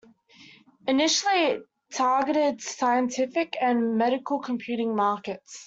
Initially, it targeted scientific and medical computing markets.